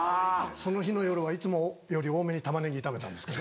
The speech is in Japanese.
その日の夜はいつもより多めに玉ねぎ炒めたんですか？